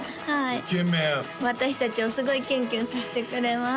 イケメン私達をすごいキュンキュンさせてくれます